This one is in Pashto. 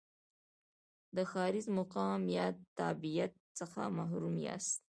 د ښاریز مقام یا تابعیت څخه محروم یاست.